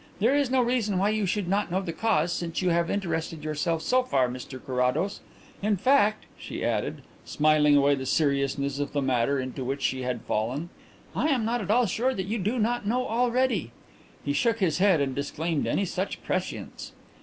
There is no reason why you should not know the cause, since you have interested yourself so far, Mr Carrados. In fact," she added, smiling away the seriousness of the manner into which she had fallen, "I am not at all sure that you do not know already." He shook his head and disclaimed any such prescience.